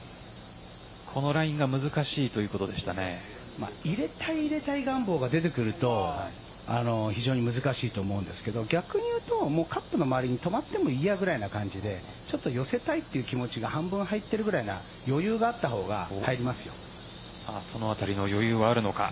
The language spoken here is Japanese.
このラインが入れたい入れたい願望が出てくると非常に難しいと思うんですけど逆にいうとカップの周りに止まってもいいやぐらいで寄せたいっていう気持ちが半分入っているくらいな余裕があったほうがそのあたりの余裕があるのか。